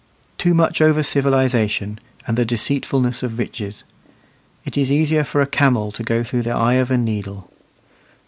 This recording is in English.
Too much over civilization, and the deceitfulness of riches. It is easier for a camel to go through the eye of a needle.